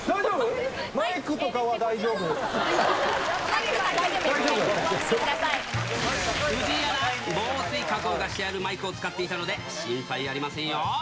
マイクとかは大丈夫です、藤井アナ、防水加工がしてあるマイクを使っていたので、心配ありませんよ。